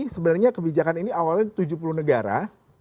sebenarnya kebijakan ini awalnya tujuh puluh negara